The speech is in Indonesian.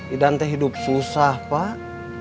idan kehidupan susah pak